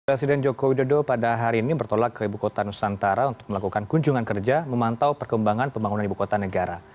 presiden joko widodo pada hari ini bertolak ke ibu kota nusantara untuk melakukan kunjungan kerja memantau perkembangan pembangunan ibu kota negara